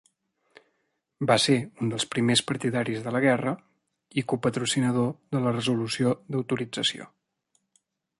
Va ser un dels primers partidaris de la guerra i copatrocinador de la resolució d'autorització.